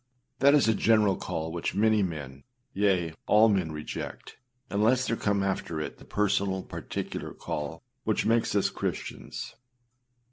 â That is a general call which many men, yea, all men reject, unless there come after it the personal, particular call, which makes us Christians.